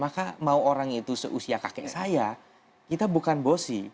maka mau orang itu seusia kakek saya kita bukan bosi